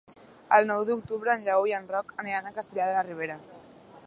El nou d'octubre en Lleó i en Roc aniran a Castellar de la Ribera.